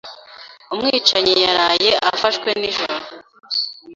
Umwicanyi yaraye afashwe nijoro.